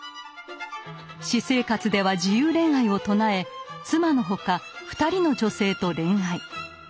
私生活では自由恋愛を唱え妻の他２人の女性と恋愛。